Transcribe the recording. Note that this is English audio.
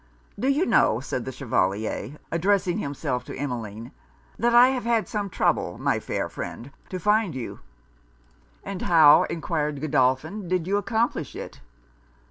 'Do you know,' said the Chevalier, addressing himself to Emmeline, 'that I have had some trouble, my fair friend, to find you?' 'And how,' enquired Godolphin, 'did you accomplish it?'